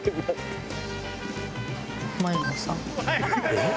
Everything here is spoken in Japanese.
えっ？